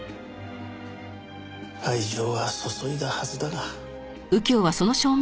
愛情は注いだはずだが。